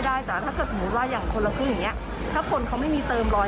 อยากมาตรการเมื่อวานเห็นพอรัฐบาลมองเขาก็มัตรการช่วยมาหลายอย่างเลย